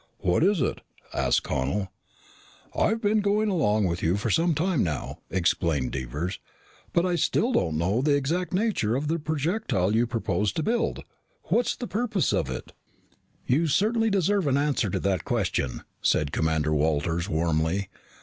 "What is it?" asked Connel. "I've been going along with you for some time now," explained Devers. "But I still don't know the exact nature of the projectile you propose to build. What's the purpose of it?" "You certainly deserve an answer to that question," said Commander Walters warmly.